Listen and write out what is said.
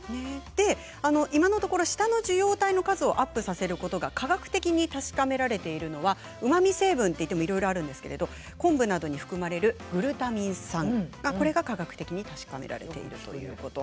今のところ舌の受容体の数をアップさせることが科学的に確かめられているのはうまみ成分といってもいろいろあるんですが昆布などに含まれるグルタミン酸これが科学的に確かめられているということ。